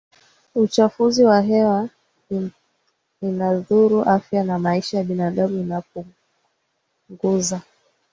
uchafuzi wa hewa Inadhuru afya na maisha ya binadamu inapunguza